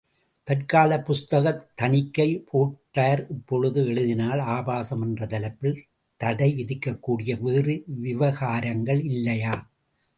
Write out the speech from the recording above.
தற்காலப் புஸ்தகத் தணிக்கை போர்டார், இப்பொழுது எழுதினால் ஆபாசம் என்ற தலைப்பில் தடை விதிக்கக்கூடிய வேறு விவகாரங்கள் இல்லையா?